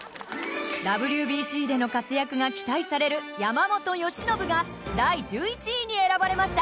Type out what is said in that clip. ＷＢＣでの活躍が期待される山本由伸が第１１位に選ばれました。